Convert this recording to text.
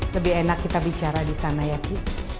lebih enak kita bicara di sana ya bu